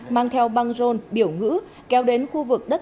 mang theo băng rôn biểu ngữ kéo đến khu vực đất